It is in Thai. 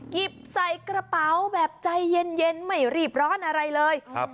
หยิบใส่กระเป๋าแบบใจเย็นไม่รีบร้อนอะไรเลยครับ